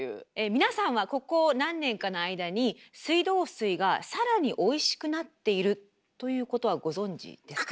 皆さんはここ何年かの間に水道水が更においしくなっているということはご存じですか？